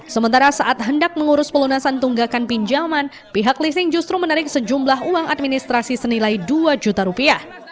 sementara saat hendak mengurus pelunasan tunggakan pinjaman pihak leasing justru menarik sejumlah uang administrasi senilai dua juta rupiah